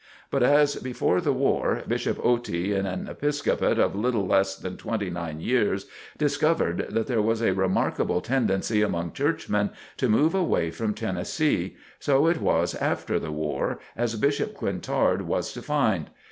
But as before the war, Bishop Otey in an Episcopate of little less than twenty nine years, discovered that there was a remarkable tendency among churchmen to move away from Tennessee, so it was after the war, as Bishop Quintard was to find.